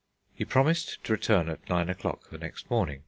He promised to return at nine o'clock the next morning....